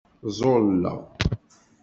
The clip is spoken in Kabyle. Ẓẓulleɣ.